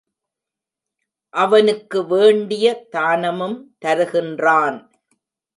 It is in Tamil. அவனுக்கு வேண்டிய தானமும் தருகின்றான்.